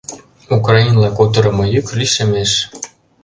Украинла кутырымо йӱк лишемеш.